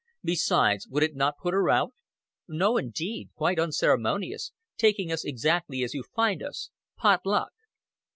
Besides, would it not put her out?" "No, indeed. Quite unceremonious taking us exactly as you find us pot luck."